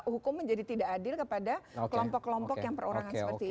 hukum menjadi tidak adil kepada kelompok kelompok yang perorangan seperti ini